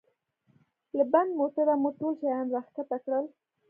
له بند موټره مو ټول شیان را کښته کړل.